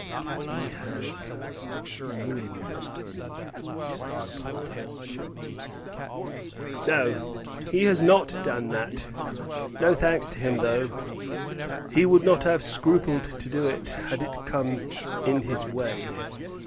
"He has ruined me," said Robarts. "No, he has not done that. No thanks to him though; he would not have scrupled to do it had it come in his way.